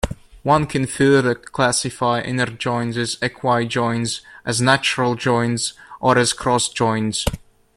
One can further classify inner joins as equi-joins, as natural joins, or as cross-joins.